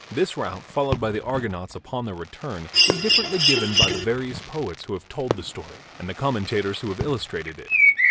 This route followed by the Argonauts upon their return is differently given by the various poets who have told the story and the commentators who have illustrated it.